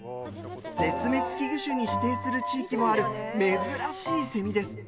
絶滅危惧種に指定する地域もある珍しいセミです。